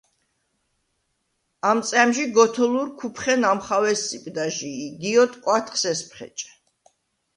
ამ წა̈მჟი გოთოლურ ქუფხენ ამხავ ესსიპდა ჟი ი გიოდ კვათხს ესფხეჭ.